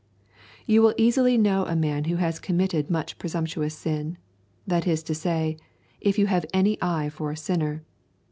You will easily know a man who has committed much presumptuous sin, that is to say, if you have any eye for a sinner.